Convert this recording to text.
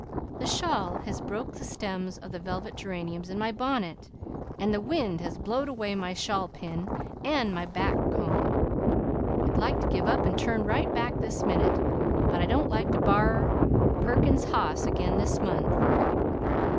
The shawl has broke the stems of the velvet geraniums in my bonnet, and the wind has blowed away my shawl pin and my back comb. I'd like to give up and turn right back this minute, but I don't like to borrer Perkins's hoss again this month.